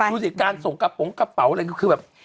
ดูสิการส่งกระโปรงกระเป๋าอะไรก็คือแบบ